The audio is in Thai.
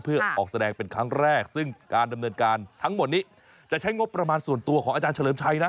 เพื่อออกแสดงเป็นครั้งแรกซึ่งการดำเนินการทั้งหมดนี้จะใช้งบประมาณส่วนตัวของอาจารย์เฉลิมชัยนะ